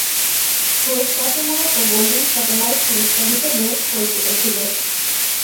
পুরস্কারটি মূলত golden satellite পুরস্কার হিসেবে পরিচিত ছিল।